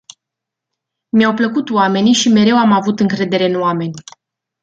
Mi-au plăcut oamenii și mereu am avut încredere în oameni.